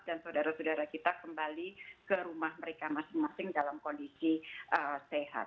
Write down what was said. dan saudara saudara kita kembali ke rumah mereka masing masing dalam kondisi sehat